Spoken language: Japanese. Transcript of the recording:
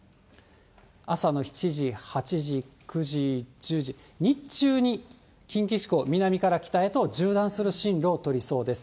朝の７時、８時、９時、１０時、日中に近畿地方、南から北へと縦断する進路を取りそうです。